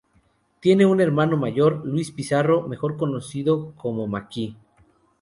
Tiene un hermano mayor, Luis Pizarro, mejor conocido como "Mackie".